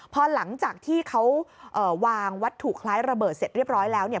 พอหลังจากที่เขาวางวัตถุคล้ายระเบิดเสร็จเรียบร้อยแล้วเนี่ย